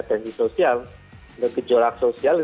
tensi sosial dan gejolak sosial